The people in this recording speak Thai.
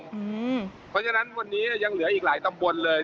เพราะฉะนั้นวันนี้ยังเหลืออีกหลายตำบลเลย